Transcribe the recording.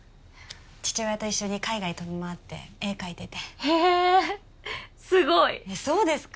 父親と一緒に海外飛び回って絵描いててへえすごいそうですか？